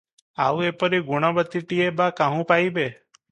ଆଉ ଏପରି ଗୁଣବତୀଟିଏ ବା କାହୁଁ ପାଇବେ?